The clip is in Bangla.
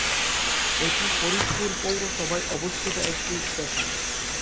এটি ফরিদপুর পৌরসভায় অবস্থিত একটি স্টেশন।